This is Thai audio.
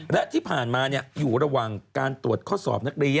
และที่ผ่านมาอยู่ระหว่างการตรวจข้อสอบนักเรียน